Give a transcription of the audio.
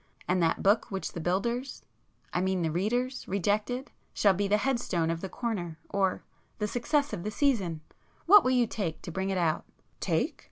And that book which the builders—I mean the readers—rejected, shall be the headstone of the corner—or—the success of the season! What will you take to bring it out?" "Take?